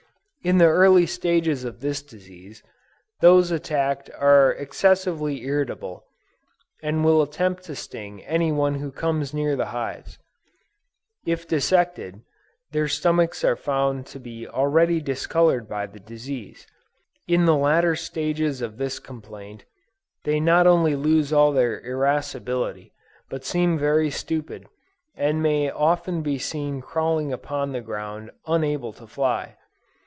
In the early stages of this disease, those attacked are excessively irritable, and will attempt to sting any one who comes near the hives. If dissected, their stomachs are found to be already discolored by the disease. In the latter stages of this complaint, they not only lose all their irascibility, but seem very stupid, and may often be seen crawling upon the ground unable to fly.